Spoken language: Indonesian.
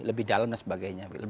lebih dalam dan sebagainya